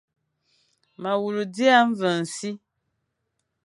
Ma wule dia mveñ e si,